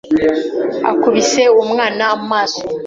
Akubise uwo mwana amaso